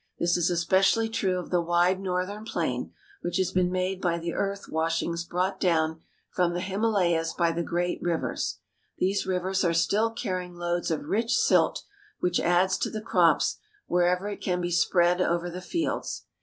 This is especially true of the wide northern plain, which has been made by the earth washings brought down from the Himalayas by the great rivers. These rivers are still carrying loads of rich silt, which adds to the crops wherever it can be spread over the fields.